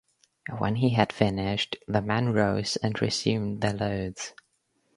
When he had finished, the men rose and resumed their loads.